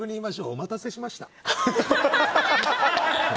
お待たせしました。